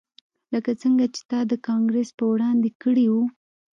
لکه څنګه چې تا د کانګرس په وړاندې کړي وو